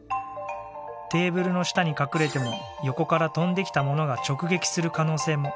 テーブルの下に隠れても横から飛んできたものが直撃する可能性も。